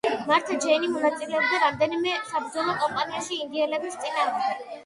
მართა ჯეინი მონაწილეობდა რამდენიმე საბრძოლო კამპანიაში ინდიელების წინააღმდეგ.